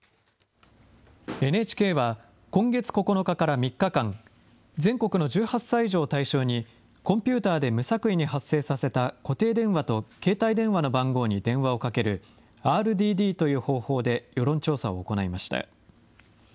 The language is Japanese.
ＮＨＫは今月９日から３日間、全国の１８歳以上を対象にコンピューターで無作為に発生させた、固定電話と携帯電話の番号に電話をかけるＲＤＤという方法で世論調査を行いました。